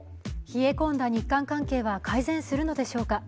冷え込んだ日韓関係は改善するのでしょうか。